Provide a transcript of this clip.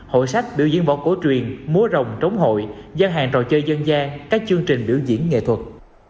hội sách biểu diễn võ cổ truyền múa rồng trống hội gian hàng trò chơi dân gian các chương trình biểu diễn nghệ thuật